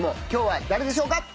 今日は誰でしょうか？